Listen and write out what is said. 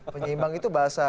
penyeimbang itu bahasa